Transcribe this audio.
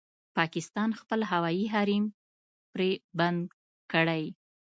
پاکستان خپل هوايي حريم پرې بند کړی